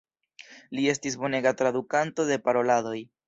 Li estis bonega tradukanto de paroladoj.